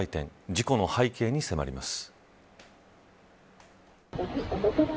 事故の背景に迫ります。